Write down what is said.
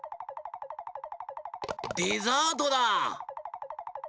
デザートだ！